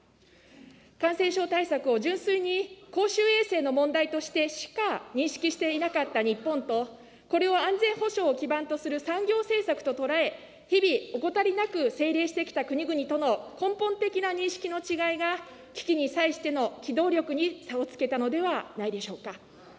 感染症対策を純粋に公衆衛生の問題としてしか認識していなかった日本と、これを安全保障を基盤とする産業政策と捉え、日々、怠りなく精励してきた国々との根本的な認識の違いが危機に際しての機動力に差をつけたのではないでしょうか。